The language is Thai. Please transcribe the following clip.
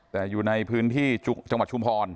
แต่อยู่ในพื้นที่จังหวัดชุมพร